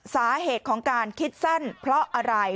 สาเหตุของการคิดสั้นเพราะอะไร